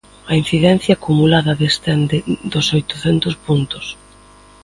A incidencia acumulada descende dos oitocentos puntos.